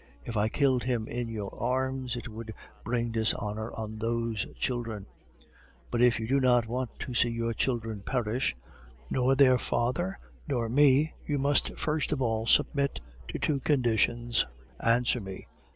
If I killed him in your arms, it would bring dishonor on those children. But if you do not want to see your children perish, nor their father nor me, you must first of all submit to two conditions. Answer me.